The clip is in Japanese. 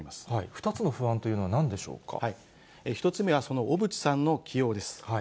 ２つの不安というのはなんで１つ目はその小渕さんの起用です。